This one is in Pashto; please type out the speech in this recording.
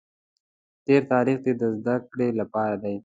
تېر تاریخ دې د زده کړې لپاره دی.